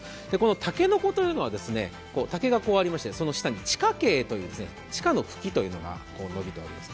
たけのこというのは、竹がありましてその下に地下茎という地下の茎というのが伸びております。